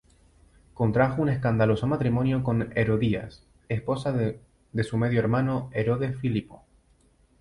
Contrajo un escandaloso matrimonio con Herodías, esposa de su medio hermano Herodes Filipo.